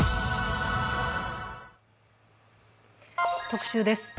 特集です。